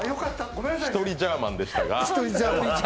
１人ジャーマンでしたが。